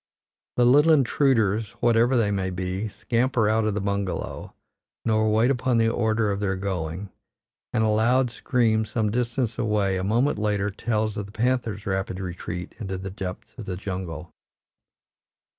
The little intruders, whatever they may be, scamper out of the bungalow, nor wait upon the order of their going, and a loud scream some distance away a moment later tells of the panther's rapid retreat into the depths of the jungle.